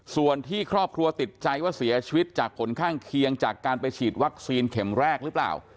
ส่วนที่ครอบครัวติดใจว่าเสียชีวิตจากผลข้างเคียงจากการไปฉีดวัคซีนเข็มแรกหรือเปล่า